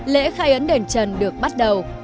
lễ khai ấn đền trần được bắt đầu